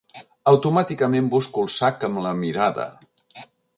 Automàticament busco el sac amb la mirada.